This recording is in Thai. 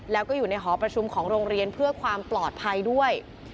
แล้วก็อยู่ในหอประชุมของโรงเรียนเพื่อความปลอดภัยด้วย